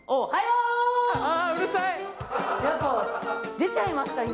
出ちゃいました、今。